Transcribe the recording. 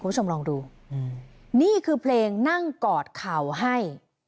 คุณผู้ชมลองดูนี่คือเพลงนั่งกอดเข่าให้